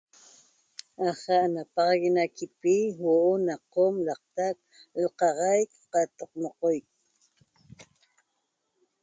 aha´ ena napaguenaxaqui huo o' na qom l'aqtac rocaxaiq qataq moqoit